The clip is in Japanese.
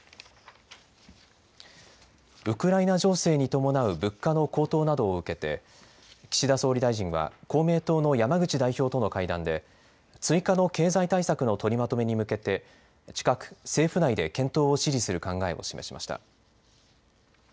ウクライナ情勢に伴う物価の高騰などを受けて岸田総理大臣は公明党の山口代表との会談で追加の経済対策の取りまとめに向けて近く政府内で検討を指示する考えを示しました。